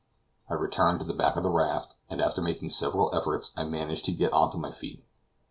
I returned to the back of the raft, and after making several efforts, I managed to get on to my feet.